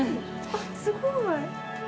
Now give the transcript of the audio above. あっすごい！